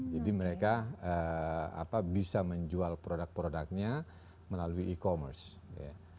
jadi mereka bisa menjual produk produknya melalui e commerce